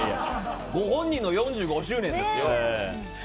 ご本人の４５周年ですよ！